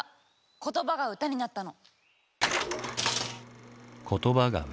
言葉が歌になったの。